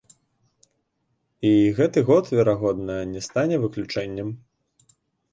І гэты год, верагодна, не стане выключэннем.